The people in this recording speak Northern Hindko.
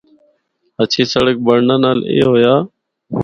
ہچھی سڑک بنڑنا نال اے ہویا۔